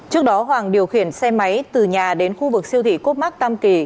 trước đó hoàng điều khiển xe máy từ nhà đến khu vực siêu thị cốt mắc tam kỳ